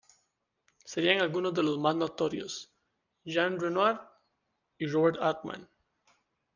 Serían algunos de los más notorios Jean Renoir y Robert Altman.